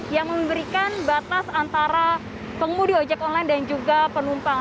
yang memberikan batas antara pengemudi ojek online dan juga penumpang